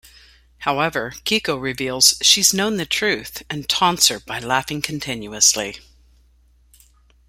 However, Keiko reveals she's known the truth and taunts her by laughing continuously.